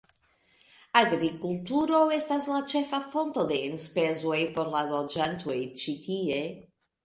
Agrikulturo estas la ĉefa fonto de enspezoj por la loĝantoj ĉi tie.